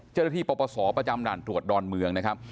เจ้าหน้าที่ประวัติศรษฐ์ประจำด่านถวดดอนเมืองนะครับ